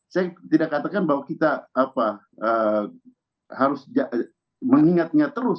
saya tidak katakan bahwa kita harus mengingatnya terus